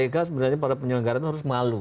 tadi para penyelenggara itu harus malu